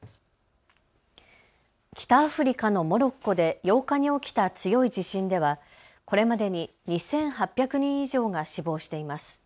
北アフリカのモロッコで８日に起きた強い地震ではこれまでに２８００人以上が死亡しています。